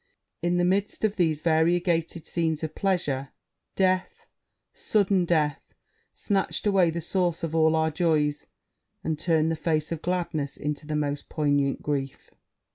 in the midst of these variegated scenes of pleasure, death, sudden death! snatched away the source of all our joys, and turned the face of gladness into the most poignant grief.'